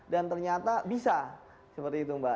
dan ternyata bisa seperti itu mbak